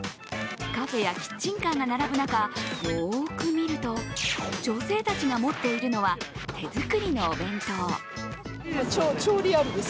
カフェやキッチンカーが並ぶ中よく見ると、女性たちが持っているのは、手作りのお弁当。